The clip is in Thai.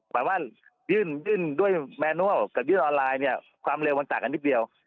หมายว่ายื่นด้วยแมนัลกับยื่นออนไลน์เนี่ยความเร็วมันต่างกันนิดเดียว